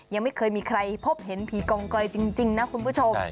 ยังไม่เคยมีใครพบเห็นผีกองกอยจริงนะคุณผู้ชม